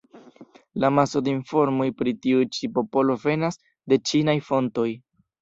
La maso de informoj pri tiu ĉi popolo venas de ĉinaj fontoj.